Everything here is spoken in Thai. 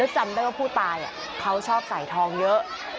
จำได้ว่าผู้ตายเขาชอบใส่ทองเยอะ